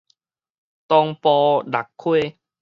東埔蚋溪